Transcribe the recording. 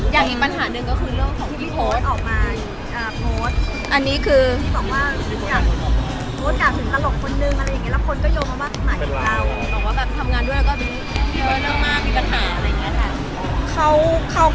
อย่างอีกปัญหาหนึ่งก็คือเรื่องของพี่โพสออกมา